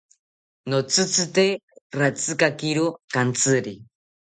Notzitzite ratzikakiro kantziri